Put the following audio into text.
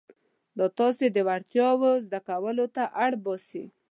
دا تاسې د وړتیاوو زده کولو ته اړ باسي.